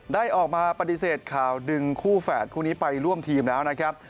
ได้ออกมาปฏิเสธข่าวดึงคู่แฝดคู่นี้ไปร่วมทีมแล้วนะครับ